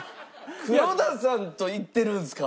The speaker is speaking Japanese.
黒田さんと行ってるんですか？